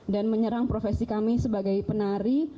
dan menyerang profesi kami sebagai penari